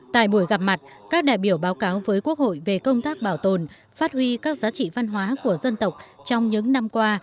tại buổi gặp mặt các đại biểu báo cáo với quốc hội về công tác bảo tồn phát huy các giá trị văn hóa của dân tộc trong những năm qua